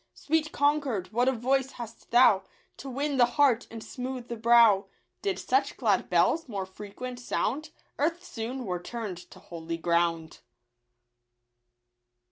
Sweet Concord, what a voice hast thou To win the heart and smooth the brow ! Did such glad bells more frequent sound, Earth soon were turn'd to holy ground.